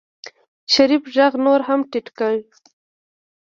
شريف غږ نور هم ټيټ کړ.